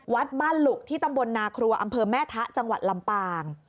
วัดบ้านหลุกที่ตำบลนาครัวอำเภอแม่ทะจังหวัดลำปาง